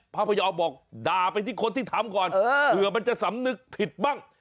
พยอมบอกด่าไปที่คนที่ทำก่อนเผื่อมันจะสำนึกผิดบ้าง